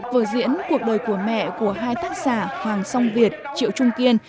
vở diễn cuộc đời của mẹ của hai tác giả hoàng song việt triệu trung kiên